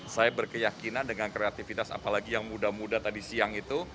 saya berkeyakinan dengan kreativitas apalagi yang muda muda tadi siang itu